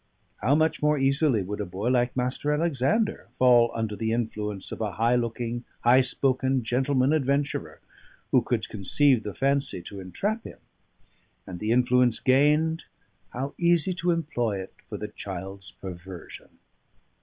How much more easily would a boy like Mr. Alexander fall under the influence of a high looking, high spoken gentleman adventurer, who should conceive the fancy to entrap him; and the influence gained, how easy to employ it for the child's perversion!